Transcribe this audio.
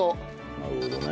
なるほどね。